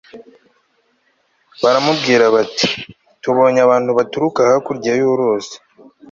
baramubwira bati “tubonye abantu baturuka hakurya y'uruzi